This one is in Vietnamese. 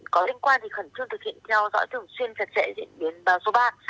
có liên quan thì khẩn trương thực hiện theo dõi thường xuyên chặt chẽ diễn biến bão số ba